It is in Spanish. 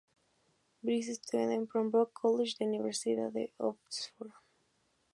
Bliss estudió en Pembroke College de la Universidad de Oxford.